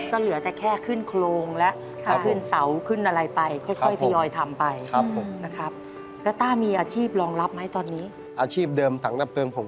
ก็เหลือแต่แค่ขึ้นโครงแล้ว